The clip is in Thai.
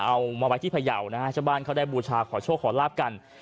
เอามาไว้ที่พยาวนะฮะชาวบ้านเขาได้บูชาขอโชคขอลาบกัน